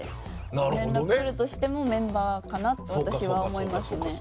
連絡くれるとしてもメンバーかなと私は思います。